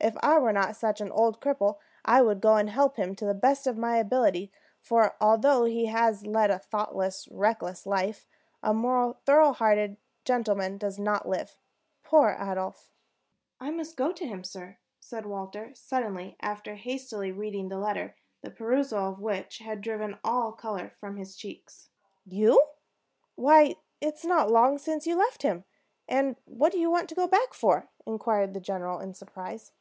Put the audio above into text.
If I were not such an old cripple, I would go and help him to the best of my ability; for although he has led a thoughtless, reckless life, a more thorough hearted gentleman does not live. Poor Adolphe!" "I must go to him, sir," said Walter, suddenly, after hastily reading the letter, the perusal of which had driven all the color from his cheeks. "You! Why, it is not long since you left him; and what do you want to go back for?" inquired the general, in surprise.